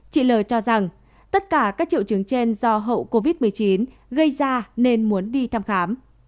chị l cho rằng tất cả các triệu chứng trên do hậu covid một mươi chín gây ra nên muốn đi thăm khám